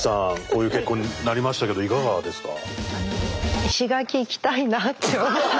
こういう結果になりましたけどいかがですか？